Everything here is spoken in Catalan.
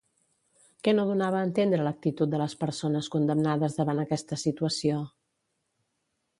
Què no donava a entendre l'actitud de les persones condemnades davant aquesta situació?